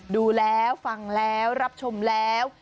ดูแล้วฟังแล้วรับชมแล้ว